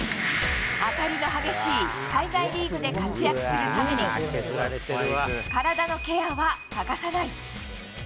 当たりの激しい海外リーグで活躍するために、体のケアは欠かさない。